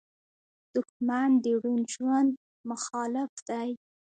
دښمن د روڼ ژوند مخالف دی